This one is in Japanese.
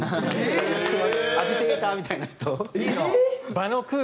アジテーターみたいな人。